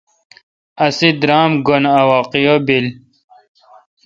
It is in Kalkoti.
اسے°درامہ گھن اہ واقعہ بیل۔